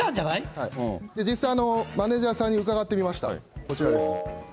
実際、マネージャーさんに伺ってみました、こちらです。